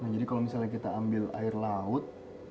jadi kalau misalnya kita ambil air laut